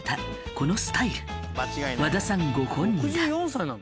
このスタイル和田さんご本人だ。